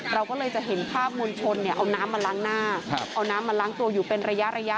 เราก็เลยจะเห็นภาพมวลชนเนี่ยเอาน้ำมาล้างหน้าเอาน้ำมาล้างตัวอยู่เป็นระยะ